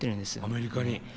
アメリカに？